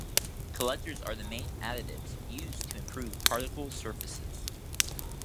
Collectors are the main additives used to improve particle surfaces.